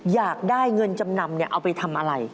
อยากได้เงินจำนำเอาไปทำอะไร